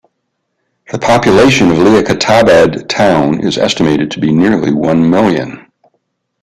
The population of Liaquatabad Town is estimated to be nearly one million.